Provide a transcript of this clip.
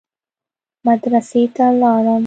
مدرسې ته ولاړم.